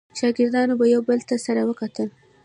شاګردانو به یو بل ته سره وکتل.